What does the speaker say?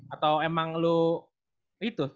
atau emang lu gitu